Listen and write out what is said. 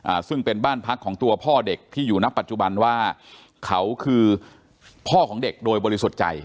อ่าซึ่งเป็นบ้านพักของตัวพ่อเด็กที่อยู่ณปัจจุบันว่าเขาคือพ่อของเด็กโดยบริสุทธิ์ใจ